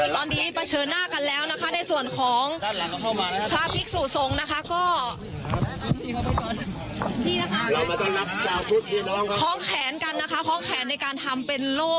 ตอนนี้ประเจนากันแล้วในส่วนของพระพิฤตุสูงก็